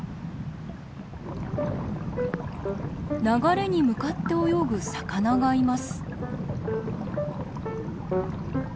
流れに向かって泳ぐ魚がいます。